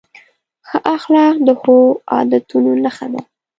ښه اخلاق د ښو عادتونو نښه ده.